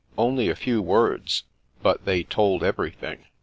Only a few words — ^but they told everything.